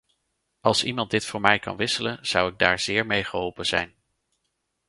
Als iemand dit voor mij kan wisselen, zou ik daar zeer mee geholpen zijn.